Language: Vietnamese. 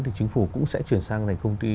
thì chính phủ cũng sẽ chuyển sang thành công ty